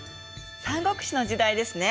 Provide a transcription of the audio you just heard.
三国志の時代ですね！